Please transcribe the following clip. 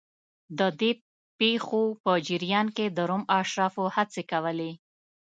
د دې پېښو په جریان کې د روم اشرافو هڅې کولې